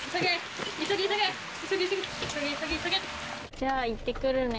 じゃあ行って来るね。